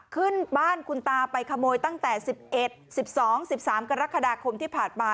ขึ้นบ้านคุณตาไปขโมยตั้งแต่๑๑๑๒๑๓กรกฎาคมที่ผ่านมา